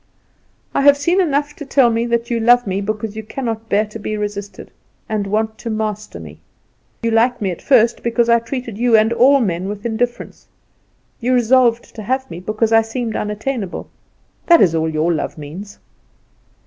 "I have seen enough to tell me that you love me because you cannot bear to be resisted, and want to master me. You liked me at first because I treated you and all men with indifference. You resolved to have me because I seemed unattainable. This is all your love means."